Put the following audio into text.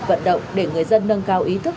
vận động để người dân nâng cao ý thức